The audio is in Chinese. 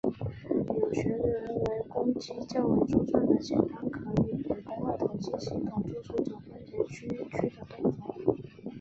有学者认为肱肌较为粗壮的浅端可与与肱二头肌协同作出肘关节屈曲的动作。